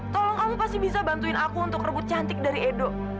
tolong kamu pasti bisa bantuin aku untuk rebut cantik dari edo